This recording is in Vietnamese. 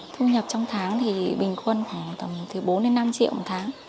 thu nhập trong tháng thì bình quân khoảng tầm bốn năm triệu một tháng